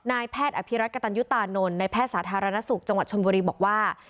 นายแพทย์อภิรักษ์กระตันยุตานนท์ในแพทย์สาธารณสุขจังหวัดชนบุรีบอกว่า